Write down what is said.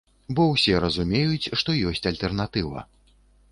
Бо ўсе разумеюць, што ёсць альтэрнатыва.